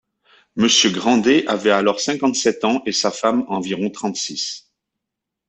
Monsieur Grandet avait alors cinquante-sept ans, et sa femme environ trente-six.